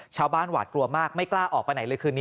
ชาวบ้านหวาดกลัวมากไม่กล้าออกไปไหนเลย